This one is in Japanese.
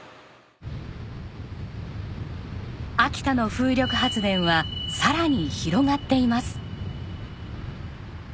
秋田の風力発電はさらに広がっています。